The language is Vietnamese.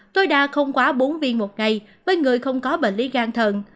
tối đa không quá bốn viên một ngày với người không có bệnh lý gan thần